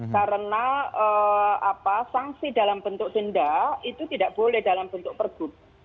karena sanksi dalam bentuk denda itu tidak boleh dalam bentuk pergub